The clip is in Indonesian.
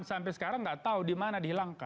sampai sekarang nggak tahu di mana dihilangkan